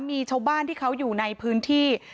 มีชาวบ้านที่เขาอยู่ในพื้นที่